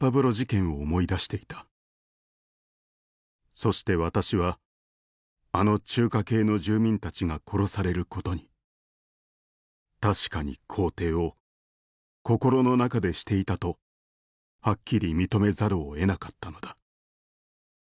「そして私はあの中華系の住民たちが殺されることに確かに肯定を心の中でしていたとはっきり認めざるを得なかったのだ」